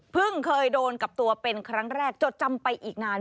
เคยโดนกับตัวเป็นครั้งแรกจดจำไปอีกนาน